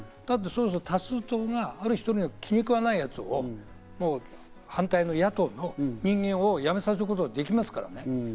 多数党がある１人の気に食わないやつを反対の野党の人間を辞めさせることができますからね。